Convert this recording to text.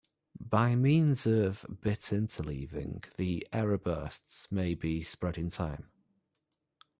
By means of bit-interleaving, the error bursts may be spread in time.